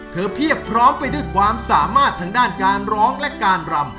เพียบพร้อมไปด้วยความสามารถทางด้านการร้องและการรำ